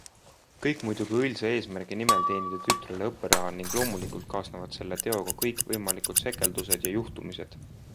Kõik muidugi õilsa eesmärgi nimel teenida tütrele õpperaha, ning loomulikult kaasnevad selle teoga kõikvõimalikud sekeldused ja juhtumised.